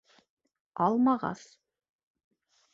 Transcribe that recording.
Алмағас: